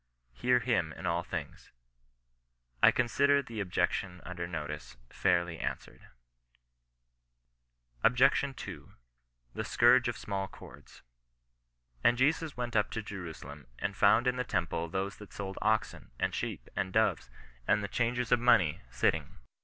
" Hear him in all things^ I consider the objec tion under notice fairly answered. 56 CHRISTIAN NON RESISTANCB. OBJECTION II. — THE SCOURGE OP SMALL CORDS. And Jesus went up to Jerusalem, and found in the temple those that sold oxen, and sheep, and doves, and the changers of money, sitting.